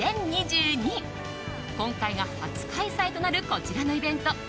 今回が初開催となるこちらのイベント。